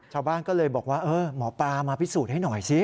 ชาวบ้านก็เลยบอกว่าเออหมอปลามาพิสูจน์ให้หน่อยสิ